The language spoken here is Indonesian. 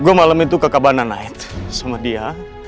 gua malem itu ke cabana night sama dia